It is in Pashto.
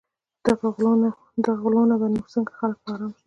دې غلو نه به نو څنګه خلک په آرام شي.